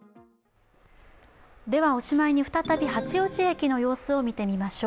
おしまいに再び八王子駅の様子を見てみましょう。